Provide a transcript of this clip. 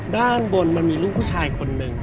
ด้านบนมันมีลูกผู้ชายคนหนึ่ง